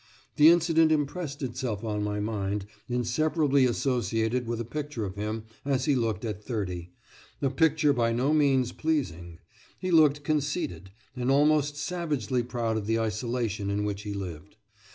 The incident impressed itself on my mind, inseparably associated with a picture of him as he looked at thirty a picture by no means pleasing. He looked conceited, and almost savagely proud of the isolation in which he lived.